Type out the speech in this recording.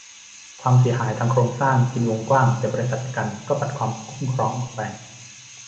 ความเสียหายทางโครงสร้างกินวงกว้าง แต่บริษัทประกันก็ปัดความคุ้มครองออกไป